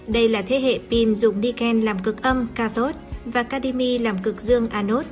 đây là thế hệ pin dùng niken làm cực âm và cademy làm cực dương